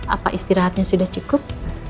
apa istirahatnya sudah cukup